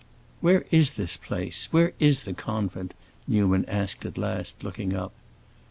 "Where is this place—where is the convent?" Newman asked at last, looking up.